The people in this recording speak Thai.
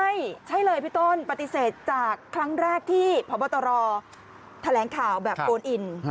ใช่ใช่เลยพี่ต้นปฏิเสธจากครั้งแรกที่พบตรแถลงข่าวแบบโอนอิน